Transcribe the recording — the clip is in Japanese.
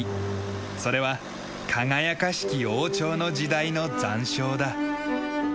それは輝かしき王朝の時代の残照だ。